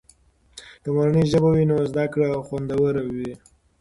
که مورنۍ ژبه وي نو زده کړه خوندور وي.